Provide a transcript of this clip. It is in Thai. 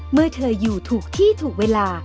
เมื่อเธออยู่ถูกที่ถูกเวลา